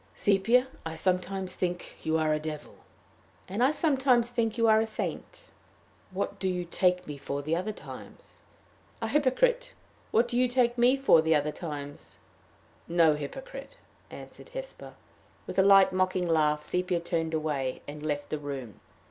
"Sepia, I sometimes think you are a devil." "And I sometimes think you are a saint." "What do you take me for the other times?" "A hypocrite. What do you take me for the other times?" "No hypocrite," answered Hesper. With a light, mocking laugh, Sepia turned away, and left the room.